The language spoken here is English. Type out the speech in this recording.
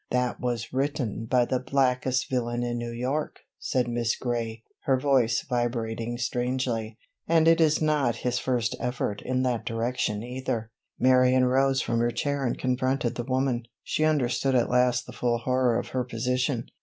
"That was written by the blackest villain in New York," said Miss Gray, her voice vibrating strangely, "and it is not his first effort in that direction either." Marion rose from her chair and confronted the woman. She understood at last the full horror of her position.